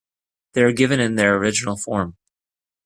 They are given in their original form.